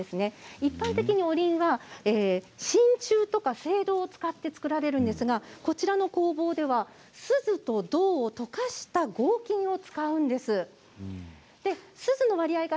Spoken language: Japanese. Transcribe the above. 一般的に、おりんはしんちゅうとか青銅を使って作られているんですがこちらの工房では、すずと銅を溶かした合金を使うんです。